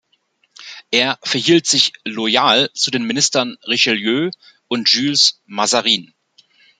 Er verhielt sich loyal zu den Ministern Richelieu und Jules Mazarin.